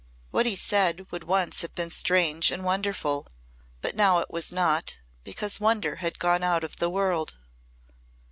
What he said would once have been strange and wonderful, but now it was not, because wonder had gone out of the world.